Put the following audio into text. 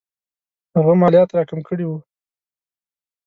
هغه مالیات را کم کړي وو.